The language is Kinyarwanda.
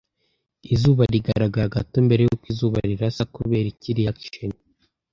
Izuba rigaragara gato mbere yuko izuba rirasa kubera iki reaction